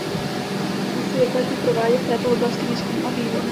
Pak se vyplatí provádět v této oblasti výzkum a vývoj.